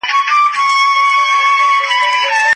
ايا شمېرې بې پرې وي؟